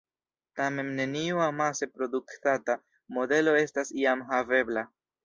Tamen neniu amase produktata modelo estas jam havebla.